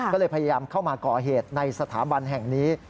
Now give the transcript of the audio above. ก็เลยพยายามเข้ามาก่อเหตุในสถาบันแห่งนี้